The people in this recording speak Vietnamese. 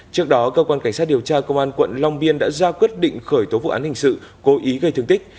trước đó cơ quan cảnh sát điều tra công an quận long biên đã ra quyết định khởi tố vụ án hình sự cố ý gây thương tích